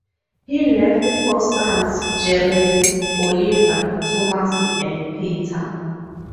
He left four sons, Jeremy, Oliver, Thomas and Peter.